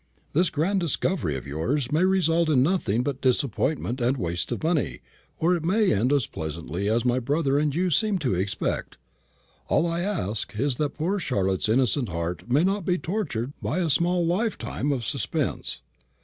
This grand discovery of yours may result in nothing but disappointment and waste of money, or it may end as pleasantly as my brother and you seem to expect. All I ask is, that poor Charlotte's innocent heart may not be tortured by a small lifetime of suspense.